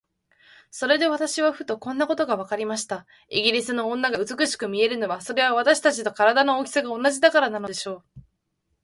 それで私はふと、こんなことがわかりました。イギリスの女が美しく見えるのは、それは私たちと身体の大きさが同じだからなのでしょう。